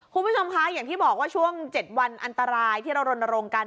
คุณผู้ชมคะอย่างที่บอกว่าช่วง๗วันอันตรายที่เรารณรงค์กัน